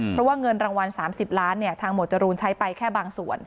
เพราะว่าเงินรางวัล๓๐ล้านทางหมวดจรูนใช้ไปแค่บางส่วน